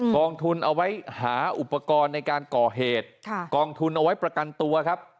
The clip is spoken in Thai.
กองทุนเอาไว้หาอุปกรณ์ในการก่อเหตุกองทุนเอาไว้ประกันตัวครับ